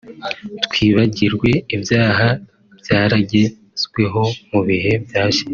twibagirwe ibyaba byaragezweho mu bihe byashize